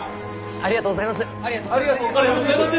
ありがとうございます。